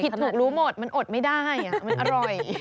ถูกรู้หมดมันอดไม่ได้มันอร่อย